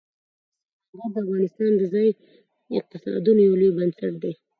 سلیمان غر د افغانستان د ځایي اقتصادونو یو لوی بنسټ دی.